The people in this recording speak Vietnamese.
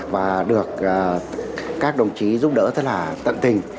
và được các đồng chí giúp đỡ rất là tận tình